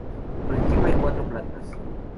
Por encima hay cuatro plantas.